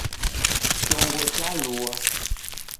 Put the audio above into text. Chongo chalua